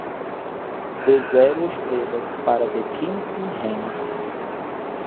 Dê zero estrelas para The Kissing Hand